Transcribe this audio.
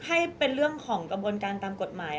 ให้เป็นเรื่องของกระบวนการตามกฎหมาย